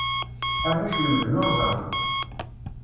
Arrac lemmden ur ẓrin.